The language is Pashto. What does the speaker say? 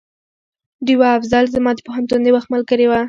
ډيوه افصل زما د پوهنتون د وخت ملګرې وه